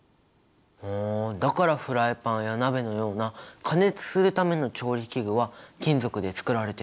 ふんだからフライパンや鍋のような加熱するための調理器具は金属でつくられてるんだね！